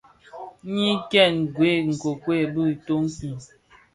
Nyi kèn gwed nkuekued bi itön ki.